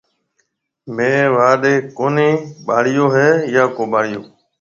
ميه واهڏيَ ڪوني ٻاݪيو هيَ يا ڪو ٻاݪيو۔